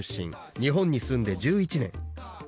日本に住んで１１年。